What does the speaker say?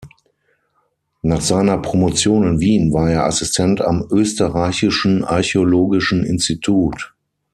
Nach seiner Promotion in Wien war er Assistent am Österreichischen Archäologischen Institut.